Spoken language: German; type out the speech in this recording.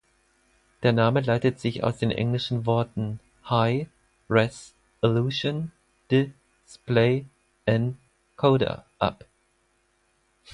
Der Name leitet sich aus den englischen Worten "Hi"gh "Res"olution "D"isplay-"En"coder ab.